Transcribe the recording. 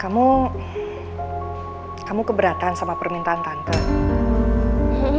kamu keberatan sama permintaan tante